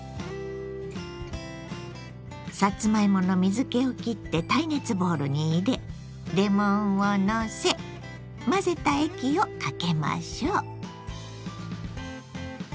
さつまいもの水けをきって耐熱ボウルに入れレモンをのせ混ぜた液をかけましょう。